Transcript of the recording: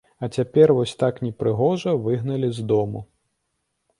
А цяпер вось так непрыгожа выгналі з дому.